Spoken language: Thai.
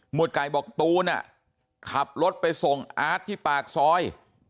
วดไก่บอกตูนขับรถไปส่งอาร์ตที่ปากซอย